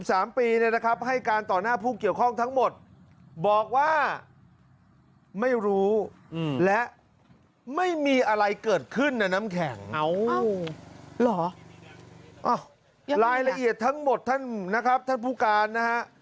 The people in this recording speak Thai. อ้าวหรอยังไงล่ะอ้าวรายละเอียดทั้งหมดท่านผู้การนะครับ